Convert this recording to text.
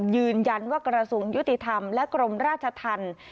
ยืนยันว่าการสูงยุติธรรมและในกรมราชธันค์